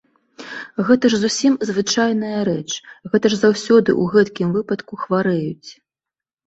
Гэта ж зусім звычайная рэч, гэта ж заўсёды ў гэткім выпадку хварэюць.